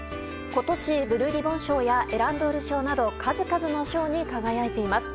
今年、ブルーリボン賞やエランドール賞など数々の賞に輝いています。